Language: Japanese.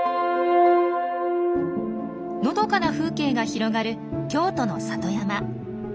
のどかな風景が広がる京都の里山。